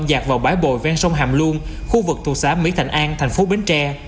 dạt vào bãi bội ven sông hàm luông khu vực thủ xá mỹ thành an thành phố bến tre